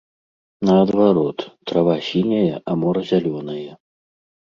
Наадварот, трава сіняя, а мора зялёнае.